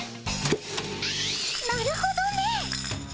なるほどね。